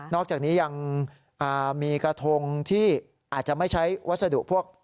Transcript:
อกจากนี้ยังมีกระทงที่อาจจะไม่ใช้วัสดุพวก